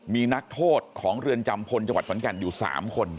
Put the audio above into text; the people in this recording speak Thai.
มีนักโทษของเรือนจำพลจังหวัดขอนแก่นอยู่๓คน